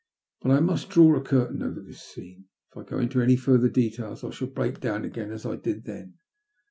Bat I must draw a curtain over this scene. If I go into any further details I shall break down again as I did then.